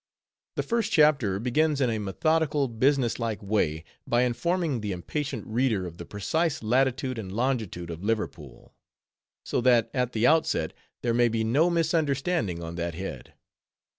The first chapter begins in a methodical, business like way, by informing the impatient reader of the precise latitude and longitude of Liverpool; so that, at the outset, there may be no misunderstanding on that head.